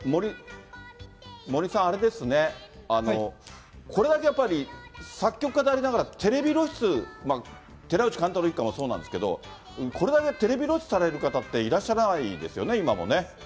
森さん、あれですね、これだけやっぱり、作曲家でありながらテレビ露出、寺内貫太郎一家もそうなんですけれども、これだけテレビ露出される方っていらっしゃらないですよね、今もね。